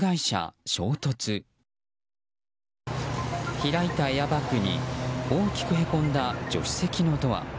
開いたエアバッグに大きくへこんだ助手席のドア。